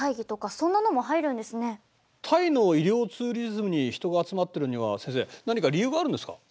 タイの医療ツーリズムに人が集まっているのには先生何か理由があるんですか？